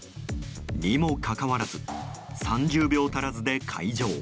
にもかかわらず３０秒足らずで開錠。